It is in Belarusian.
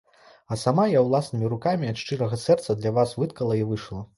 А сама я ўласнымі рукамі ад шчырага сэрца для вас выткала і вышыла.